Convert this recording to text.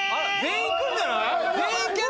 全員行くんじゃない？